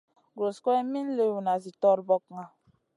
Guros guroyna min liwna zi torbokna.